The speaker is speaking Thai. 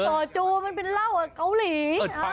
ต่อจูมันเป็นเหล้ากับเกาหลี